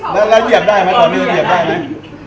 แล้วเหยียบได้ไหมตอนนี้เหยียบได้ไหม